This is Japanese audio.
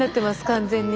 完全に。